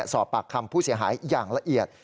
สอบปากคำผู้เสียหายอย่างละเอียด